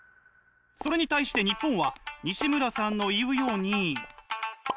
それに対して日本はにしむらさんの言うように。